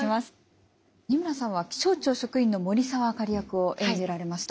仁村さんは気象庁職員の森澤あかり役を演じられました。